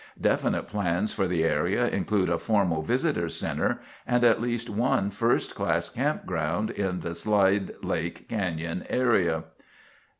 Definite plans for the area include a formal visitor center, and at least one first class campground in the slide lake canyon area.